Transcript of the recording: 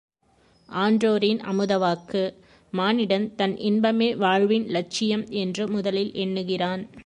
ஆன்றோரின் அமுத வாக்கு மானிடன் தன் இன்பமே வாழ்வின் லட்சியம் என்று முதலில் எண்ணுகிறான்.